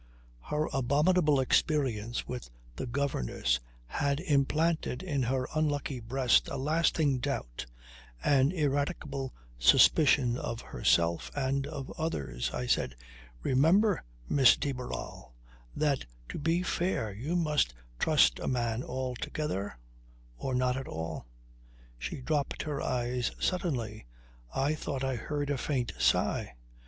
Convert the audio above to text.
Her abominable experience with the governess had implanted in her unlucky breast a lasting doubt, an ineradicable suspicion of herself and of others. I said: "Remember, Miss de Barral, that to be fair you must trust a man altogether or not at all." She dropped her eyes suddenly. I thought I heard a faint sigh.